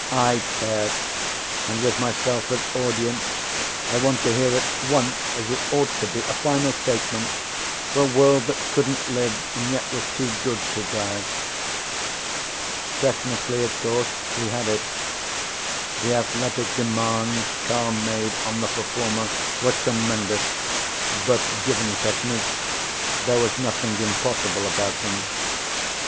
"I care, and with myself as audience I want to hear it once as it ought to be, a final statement for a world that couldn't live and yet was too good to die." Technically, of course, he had it. The athletic demands Carr made on the performer were tremendous, but, given technique, there was nothing impossible about them.